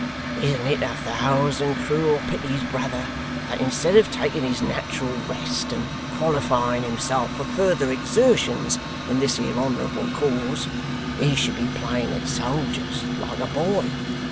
Isn't it a thousand cruel pities, brother, that instead of taking his nat'ral rest and qualifying himself for further exertions in this here honourable cause, he should be playing at soldiers like a boy?